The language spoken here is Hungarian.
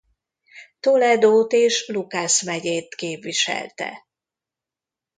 Toledót és Lucas megyét képviselte.